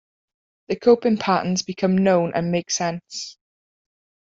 The coping patterns become known and make sense.